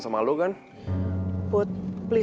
setiap dan mula mula